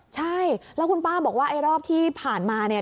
ใช่แล้วคุณป้าบอกว่าไอ้รอบที่ผ่านมาเนี่ย